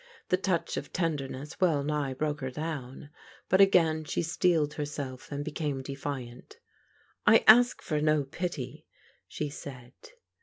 The touch of tenderness well nigh broke her down, but again she steeled herself and became defiant. I ask for no pity," she said.